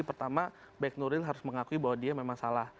pertama baik nuril harus mengakui bahwa dia memang salah